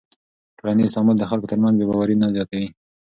ټولنیز تعامل د خلکو تر منځ بېباوري نه زیاتوي.